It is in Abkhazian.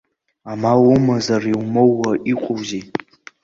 Амал умазар, иумоуа иҟоузеи!